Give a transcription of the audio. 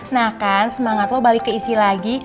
nah kan semangat lo balik keisi lagi